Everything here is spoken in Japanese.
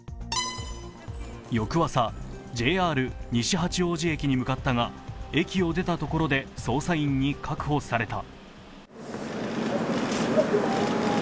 翌朝、ＪＲ西八王子駅に向かったが、駅を出たところで捜査員に確保された。